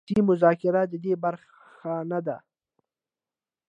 سیاسي مذاکره د دې برخه نه ده.